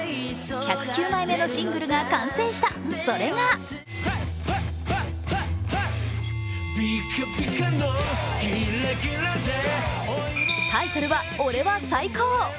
１０９枚目のシングルが完成したそれがタイトルは「俺は最高！！！」。